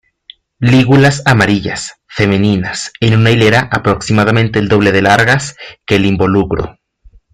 Lígulas amarillas, femeninas, en una hilera aproximadamente el doble de largas que el involucro.